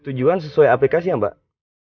tujuan sesuai aplikasi mbak